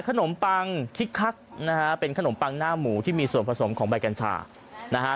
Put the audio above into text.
ปังคิกคักนะฮะเป็นขนมปังหน้าหมูที่มีส่วนผสมของใบกัญชานะฮะ